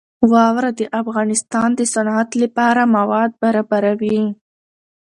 واوره د افغانستان د صنعت لپاره مواد برابروي.